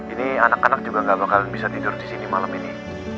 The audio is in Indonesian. ini anak anak juga gak bakalan bisa tidur di sini malam ini